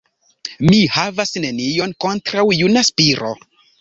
Mi havas nenion kontraŭ juna Spiro!